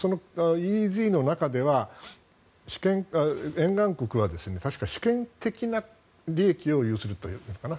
そのＥＥＺの中では沿岸国は、確か主権的な利益を有するというのかな